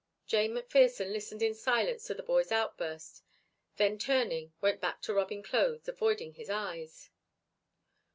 Jane McPherson listened in silence to the boy's outburst, then, turning, went back to rubbing clothes, avoiding his eyes.